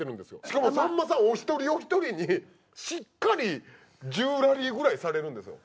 しかもさんまさんお一人お一人にしっかり１０ラリーぐらいされるんですよ。